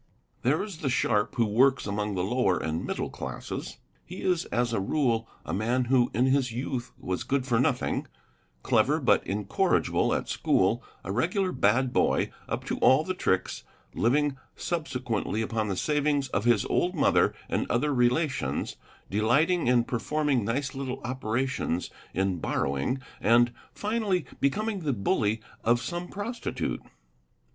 There is the sharp who works among the lower and middle classes. He is as a rule a man who in his youth was good for nothing, clever but incorrigible at school, a regular bad boy, up to all the tricks, living subse quently upon the savings of his old mother and other relations, delighting in performing nice little operations in borrowing and, finally, becoming the bully of some prostitute.